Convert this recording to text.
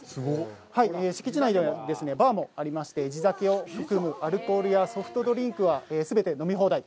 敷地内ではバーもありまして、地酒を含むアルコールやソフトドリンクは全て飲み放題。